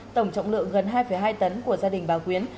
tổng trọng lượng gần hai hai tấn của gia đình bà quyến